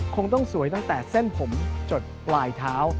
คงต้องสวยตั้งแต่เส้นผมจดปลายเท้า